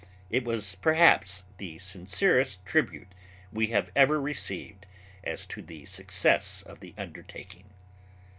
It was perhaps the sincerest tribute we have ever received as to the success of the undertaking.